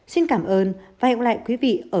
xin cảm ơn và hẹn gặp lại quý vị ở bản tin tiếp theo